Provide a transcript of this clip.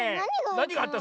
なにがあった？